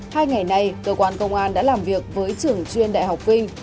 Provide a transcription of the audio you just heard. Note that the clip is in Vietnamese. hai ngày nay cơ quan công an đã làm việc với trường chuyên đại học vinh